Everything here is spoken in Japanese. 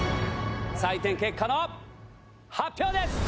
採点結果の発表です！